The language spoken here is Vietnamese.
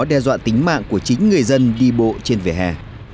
đe dọa tính mạng của chính người dân đi bộ trên vỉa hè